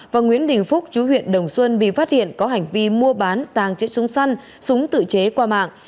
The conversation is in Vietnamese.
và nguyễn đình phúc chú huyện đồng xuân bị phát hiện có hành vi mua bán tàng trữ súng săn súng tự chế qua mạng